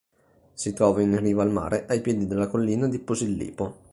Si trova in riva al mare, ai piedi della collina di Posillipo.